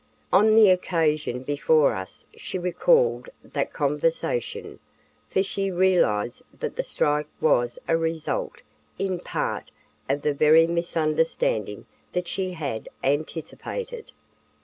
On the occasion before us she recalled that conversation, for she realized that the strike was a result, in part, of the very misunderstanding that she had anticipated.